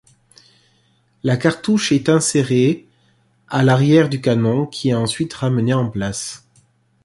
La cartouche est insérée à l’arrière du canon qui est ensuite ramené en place.